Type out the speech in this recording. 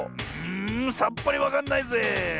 んさっぱりわかんないぜ。